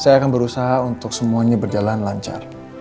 saya akan berusaha untuk semuanya berjalan lancar